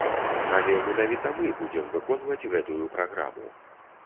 Але менавіта мы будзем выконваць гэтую праграму.